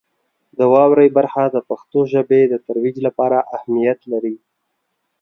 د واورئ برخه د پښتو ژبې د ترویج لپاره اهمیت لري.